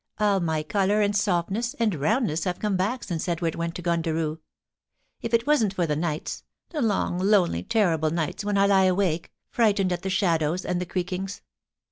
All my colour, and softness, and roundness have come back since Edward went to Gundaroo. If it wasn't for the nights, the long, lonely^ terrible nights, when I lie awake, frightened at the shadows, and the creakings.